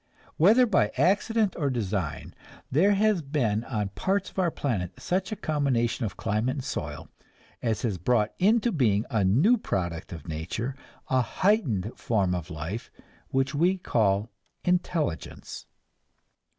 Whether by accident or design, there has been on parts of our planet such a combination of climate and soil as has brought into being a new product of nature, a heightened form of life which we call "intelligence."